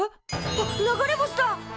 あっ流れ星だ！